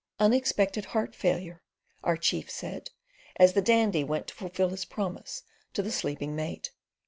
"Unexpected heart failure," our chief said, as the Dandy went to fulfil his promise to the sleeping mate.